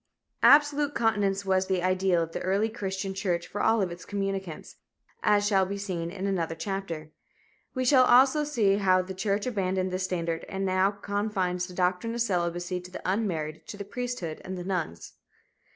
Absolute continence was the ideal of the early Christian church for all of its communicants, as shall be seen in another chapter. We shall also see how the church abandoned this standard and now confines the doctrine of celibacy to the unmarried, to the priesthood and the nuns.